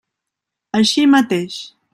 Així mateix.